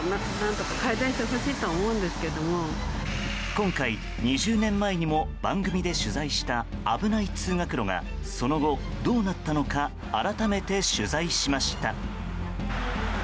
今回、２０年前にも番組で取材した危ない通学路がその後、どうなったのか改めて取材しました。